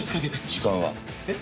時間は？え？